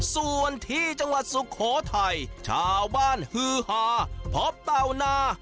ส่วนที่จังหวัดสุโขทัยชาวบ้านฮือหาพบเต่านา